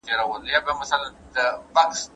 د منبر له لاري بايد د ورورولۍ پيغام خپور سي.